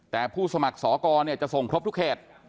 แต่ผู้สมัครสอกรจะส่งครบทุกเขต